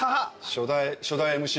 初代ＭＣ。